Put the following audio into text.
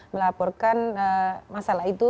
melaporkan masalah itu